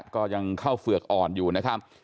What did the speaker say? ก็ยังเข้าเฝือกอ่อนอยู่นะครับ